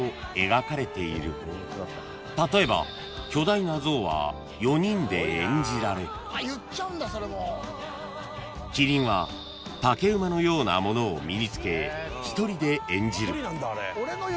［例えば巨大なゾウは４人で演じられキリンは竹馬のようなものを身に着け１人で演じる］